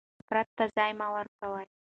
نفرت ته ځای مه ورکوئ.